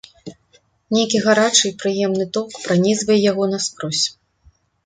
Нейкі гарачы і прыемны ток пранізвае яго наскрозь.